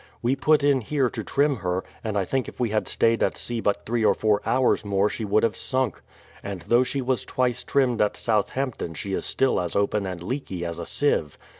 We put in here to trim her, and I think if we had stayed at sea but three or four hours more she would have sunk. And though she was twice trimmed at Southampton she is still as open and leaky as a sieve.